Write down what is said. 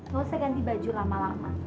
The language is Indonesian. gak usah ganti baju lama lama